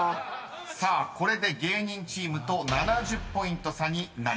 ［さあこれで芸人チームと７０ポイント差になりました］